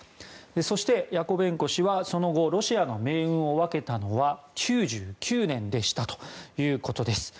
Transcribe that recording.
そしてヤコベンコ氏は、その後ロシアの命運を分けたのは９９年でしたということです。